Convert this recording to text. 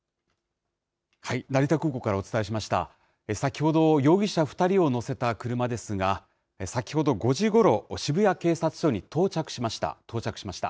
先ほど、容疑者２人を乗せた車ですが、先ほど５時ごろ、渋谷警察署に到着しました。